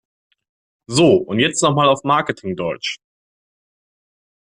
So, und jetzt noch mal auf Marketing-Deutsch!